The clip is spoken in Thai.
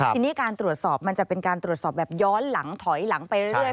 ทีนี้การตรวจสอบมันจะเป็นการตรวจสอบแบบย้อนหลังถอยหลังไปเรื่อย